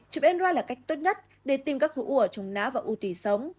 chụp android là cách tốt nhất để tìm các khối u ở trong náo và u tùy sống